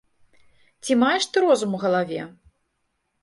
Ці маеш ты розум у галаве!